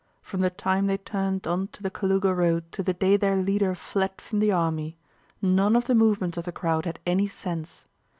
From the time they turned onto the Kalúga road to the day their leader fled from the army, none of the movements of the crowd had any sense.